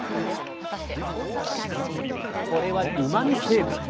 これはうまみ成分。